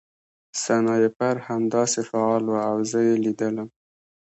سنایپر همداسې فعال و او زه یې لیدلم